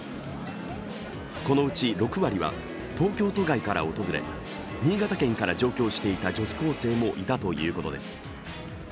このうち６割は東京都外から訪れ、新潟県から上京していた女子高生もいたということです。